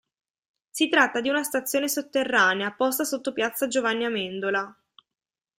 Si tratta di una stazione sotterranea, posta sotto piazza Giovanni Amendola.